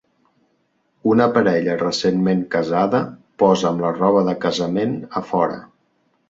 Una parella recentment casada posa amb la roba de casament a fora.